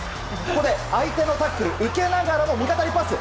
ここで相手のタックルを受けながらの味方にパス！